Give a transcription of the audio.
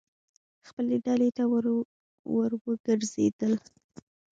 خپلې ډلې ته ور وګرځېدل.